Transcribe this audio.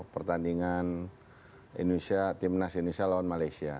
pertandingan indonesia tim nas indonesia lawan malaysia